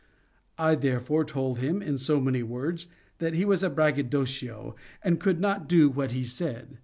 I therefore told him, in so many words, that he was a braggadocio, and could not do what he said.